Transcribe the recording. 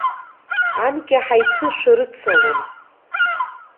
Анкьа ҳаицышәарыцалон.